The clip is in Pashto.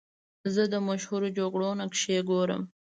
زه د مشهورو جګړو نقشې ګورم.